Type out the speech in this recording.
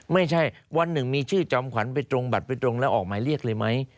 ไม่ใช่วันหนึ่งมีชื่อจอมขวัญไปตรงบัตรไปตรงแล้วออกหมายเรียกเลยไหม